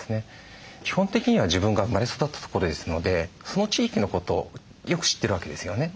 基本的には自分が生まれ育った所ですのでその地域のことをよく知ってるわけですよね。